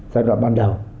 giai đoạn ban đầu